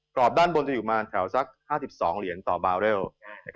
รอบด้านบนจะอยู่มาแถวสัก๕๒เหรียญต่อบาร์เรล